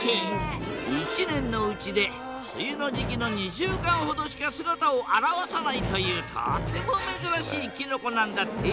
一年のうちで梅雨の時期の２週間ほどしか姿を現さないというとてもめずらしいキノコなんだって。